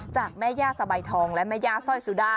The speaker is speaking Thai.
จากแม่ย่าสบายทองและแม่ย่าสร้อยสุดา